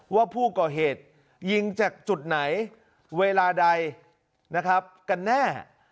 ว่าผู้ก่อเหตุยิงจากจุดไหนเวลาใดนะครับกันแน่